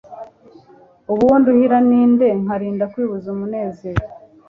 ubu uwo nduhira ni nde, nkarinda kwibuza umunezero